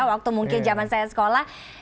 waktu mungkin zaman saya sekolah